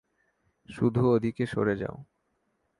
শুধু ওদিকে সরে যাও।